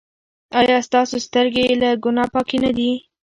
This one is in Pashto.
ایا ستاسو سترګې له ګناه پاکې نه دي؟